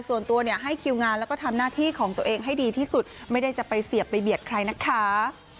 ส่วนตัวเนี่ยให้คิวงานแล้วก็ทำหน้าที่ของตัวเองให้ดีที่สุดไม่ได้จะไปเสียบไปเบียดใครนะคะ